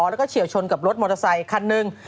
แล้วก็เฉียวชนกับรถมอเตอร์ไซคันหนึ่ง